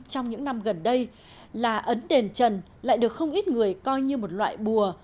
trong những năm gần đây là ấn đền trần lại được không ít người coi như một loại bùa